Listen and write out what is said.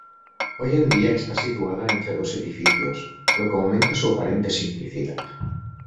Hoy en día esta situada entre dos edificios, lo que aumenta su aparente simplicidad.